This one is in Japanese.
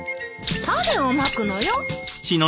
種をまくのよ。